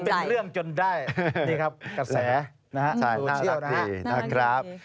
คนขนใจนี่ครับกระแสน่ารักดีนะครับโอเค